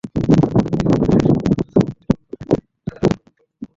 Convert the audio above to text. অন্যদিকে পরে যেসব আহত শ্রমিক ক্ষতিপূরণ পাবেন, তাঁদের আহতের পরিমাণ তুলনামূলক কম।